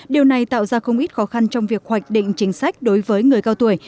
điều này tạo ra không ít khó khăn trong việc hoạch định chính sách đối với người cao tuổi